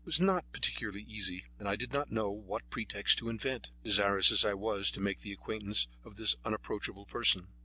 It was not particularly easy, and I did not know what pretext to invent, desirous as I was to make the acquaintance of this unapproachable person.